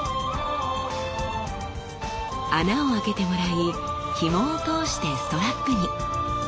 穴を開けてもらいひもを通してストラップに。